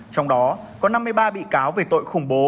trong đó có năm mươi ba bị cáo về tội khủng bố